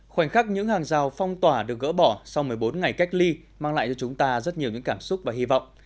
khoảnh khắc những hàng rào phong tỏa được gỡ bỏ sau một mươi bốn ngày cách ly mang lại cho chúng ta rất nhiều những cảm xúc và hy vọng